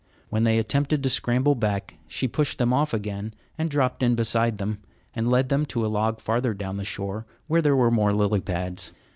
When they attempted to scramble back she pushed them off again, and dropped in beside them and led them to a log farther down the shore, where there were more lily pads.